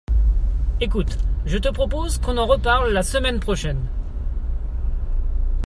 Écoute, je te propose qu'on en reparle la semaine prochaine.